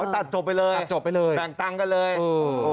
ตัดจบไปเลยแบ่งตังค์กันเลยโอ้โฮ